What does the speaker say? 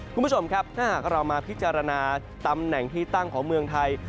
คุณผู้ชมครับถ้าหากเรามาพิจารณาตำแหน่งที่ตั้งของเมืองไทย